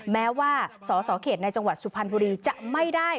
แม้ว่าสสเขตในจังหวัดสุพรรณบุรีจะไม่ได้